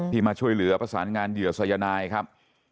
มาช่วยเหลือประสานงานเหยื่อสายนายครับ